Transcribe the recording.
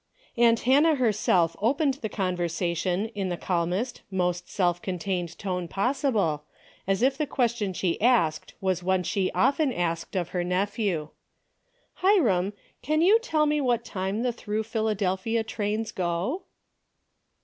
Aunt Hannah herself opened the conversation in the calmest, most self contained tone possi ble, as if the question she asked was one she often asked of her nephew. "Hiram, can you tell me what time the through Philadelphia trains go?"